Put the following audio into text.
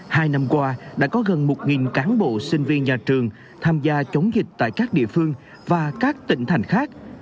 hai năm qua đã có gần một cán bộ sinh viên nhà trường tham gia chống dịch tại các địa phương và các tỉnh thành khác